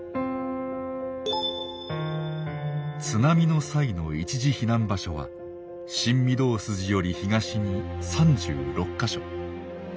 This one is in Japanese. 津波の際の一時避難場所は新御堂筋より東に３６か所。